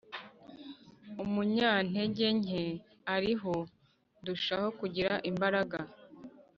umunyantege nke ari ho ndushaho kugira imbaraga